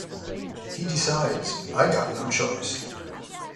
He decides: I got no choice.